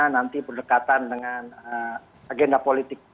nanti berdekatan dengan agenda politik